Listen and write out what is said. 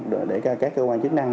để các cơ quan chế năng